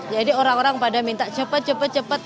jadi orang orang pada minta cepet cepet cepet